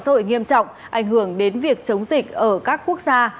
điều này cũng nghiêm trọng ảnh hưởng đến việc chống dịch ở các quốc gia